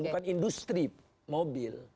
bukan industri mobil